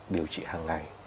điều trị hàng ngày